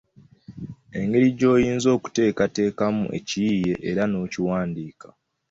Engeri gy’oyinza okuteekateekamu ekiyiiye era n’okiwandiika.